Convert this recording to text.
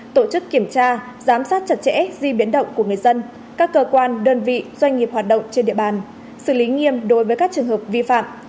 tổ chức kiểm tra giám sát chặt chẽ di biến động của người dân các cơ quan đơn vị doanh nghiệp hoạt động trên địa bàn xử lý nghiêm đối với các trường hợp vi phạm